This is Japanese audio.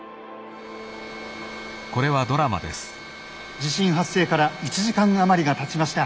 「地震発生から１時間余りがたちました。